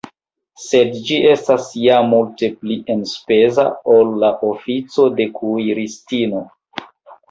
Sed ĝi estas ja multe pli enspeza, ol la ofico de kuiristino.